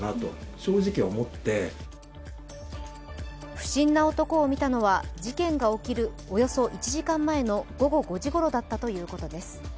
不審な男を見たのは事件が起きるおよそ１時間前の午後５時ごろだったということです